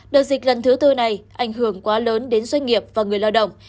đợt dịch lần thứ tư này ảnh hưởng quá lớn đến doanh nghiệp và người lao động